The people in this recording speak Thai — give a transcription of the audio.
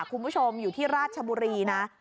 คุณผู้ชมอยู่ที่ราชบุรีนะ